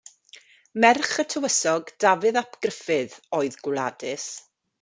Merch y Tywysog Dafydd ap Gruffudd oedd Gwladys.